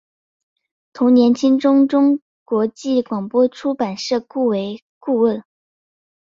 同年经中国国际广播出版社雇为顾问。